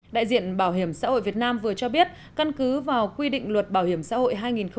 đại diện bảo hiểm xã hội việt nam vừa cho biết căn cứ vào quy định luật bảo hiểm xã hội hai nghìn một mươi bốn